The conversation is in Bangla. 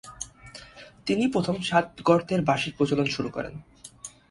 তিনিই প্রথম সাত গর্তের বাঁশির প্রচলন শুরু করেন।